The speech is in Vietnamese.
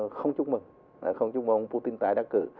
không chúc mừng không chúc mừng putin tái đắc cử